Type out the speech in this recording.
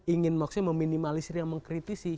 ingin maksudnya meminimalisir yang mengkritisi